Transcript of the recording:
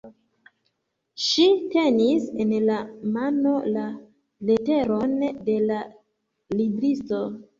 Ŝi tenis en la mano la leteron de la libristo.